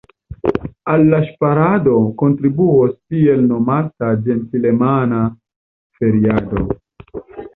Al la ŝparado kontribuos tiel nomata ĝentlemana feriado.